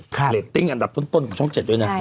ค่ะใช่ครับแม่เหล็กของช่องเลยนะครับ